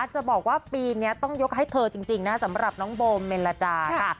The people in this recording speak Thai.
จะบอกว่าปีนี้ต้องยกให้เธอจริงนะสำหรับน้องโบเมลดาค่ะ